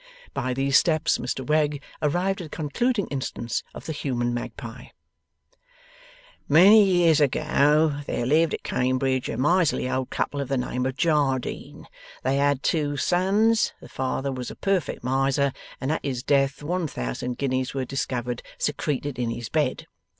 By these steps Mr Wegg arrived at a concluding instance of the human Magpie: 'Many years ago, there lived at Cambridge a miserly old couple of the name of Jardine: they had two sons: the father was a perfect miser, and at his death one thousand guineas were discovered secreted in his bed.